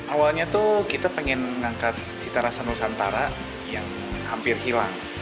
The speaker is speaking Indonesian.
awalnya tuh kita pengen mengangkat cita rasa nusantara yang hampir hilang